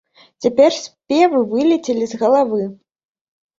Цяпер спевы вылецелі з галавы.